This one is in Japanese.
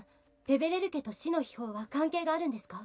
ペベレル家と死の秘宝は関係があるんですか？